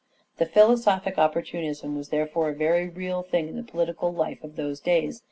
This philosophic opportunism was therefore a very real thing in the political life of those days.